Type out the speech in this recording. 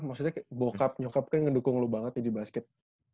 maksudnya bokap nyokap kan ngedukung lu banget di basket